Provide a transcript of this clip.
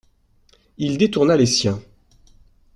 Il détourna les siens.